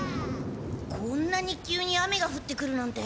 こんなに急に雨がふってくるなんて。